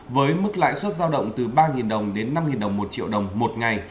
với mức lãi suất giao động từ ba đồng đến năm đồng một triệu đồng một ngày